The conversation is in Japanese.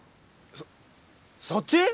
そそっち！？